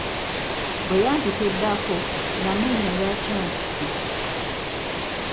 Bwe yampita eddako, namanya lwaki ampise.